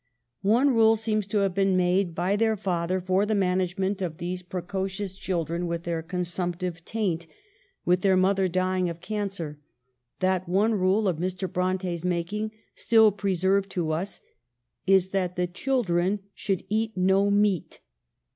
29 One rule seems to have been made by their father for the management of these precocious children with their consumptive taint, with their mother dying of cancer — that one rule of Mr. Bronte's making, still preserved to us, is that the children should eat no meat.